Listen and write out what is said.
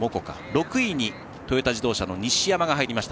６位にトヨタ自動車の西山が入りました。